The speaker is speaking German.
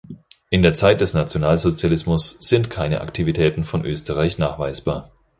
In der Zeit des Nationalsozialismus sind keine Aktivitäten von Oestreich nachweisbar.